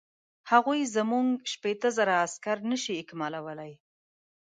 هغوی زموږ شپېته زره عسکر نه شي اکمالولای.